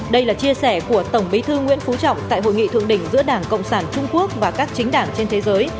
đây là chia sẻ của tổng bí thư nguyễn phú trọng tại hội nghị thượng đỉnh giữa đảng cộng sản trung quốc và các chính đảng trên thế giới